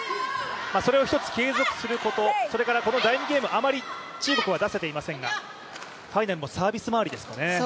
それを１つ継続すること、それからこの第２ゲーム、中国はあまり出せていませんがファイナルもサービスまわりですかね。